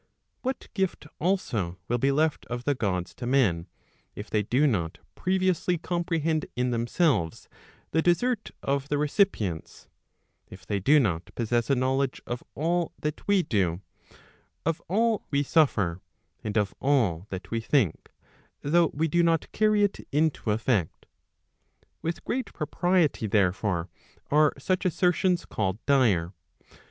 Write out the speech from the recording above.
What gift also will be left of the Gods to men, if they do not previously comprehend in themselves the desert of the recipients, if they do not possess a knowledge of all that we do, of all we suffer, and of all that we think, though we do not carry it into effect ? With great propriety, therefore, are such assertions called dire.